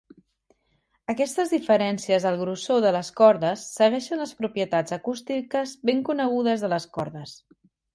Aquestes diferències al grossor de les cordes segueixen les propietats acústiques ben conegudes de les cordes.